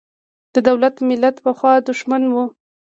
د دولت–ملت پخوا دښمن و.